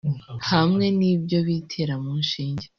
hamwe n’ibyo bitera mu nshinge